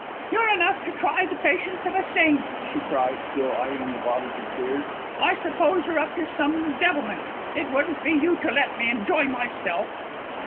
"You're enough to try the patience of a saint," she cried, still eyeing the bottles of beer. "I suppose you're up to some devilment. It wouldn't be you to let me enjoy myself."